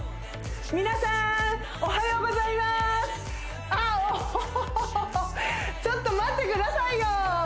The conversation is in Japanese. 皆さーんおはようございますあっおっちょっと待ってくださいよ